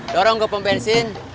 dorong ke pembensin